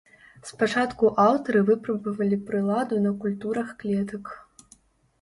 Спачатку аўтары выпрабавалі прыладу на культурах клетак.